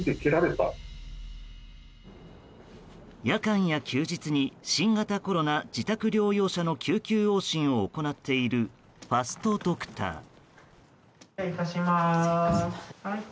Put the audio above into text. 夜間や休日に新型コロナ自宅療養者の救急往診を行っているファストドクター。